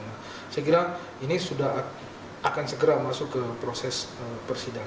saya kira ini akan segera masuk ke proses persiapan